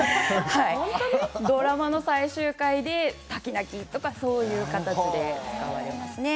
ドラマの最終回で滝泣とかそういう形で使われますね。